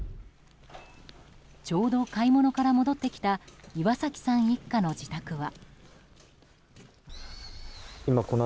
ちょうど買い物から戻ってきた岩崎さん一家の自宅は。